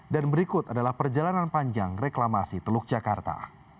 dan berikut adalah perjalanan panjang reklamasi teluk jakarta